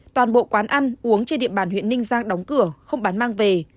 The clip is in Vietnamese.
toàn bộ quán ăn uống trên địa bàn huyện ninh giang đóng cửa không bán mang về